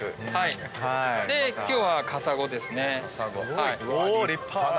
で今日はカサゴですね。お立派！